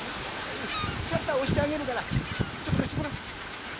シャッター押してあげるからちょっと貸してごらん。